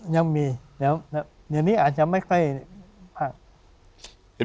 ยังมีเดี๋ยวนี้อาจจะไม่ใกล้